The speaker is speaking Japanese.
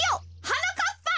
はなかっぱ。